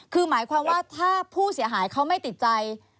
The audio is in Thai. คือหมายความว่าถ้าผู้เสียหายเขาไม่ติดใจ